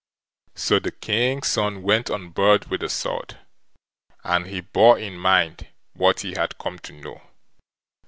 So the King's son went on board with the sword, and he bore in mind what he had come to know.